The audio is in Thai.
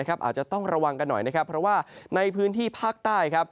อาจจะต้องระวังกันหน่อยนะครับเพราะว่าในพื้นที่ภาคใต้ครับ